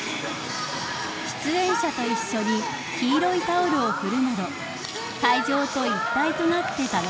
［出演者と一緒に黄色いタオルを振るなど会場と一体となって楽しまれました］